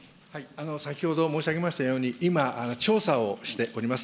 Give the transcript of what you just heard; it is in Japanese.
先ほど申し上げましたように、今、調査をしております。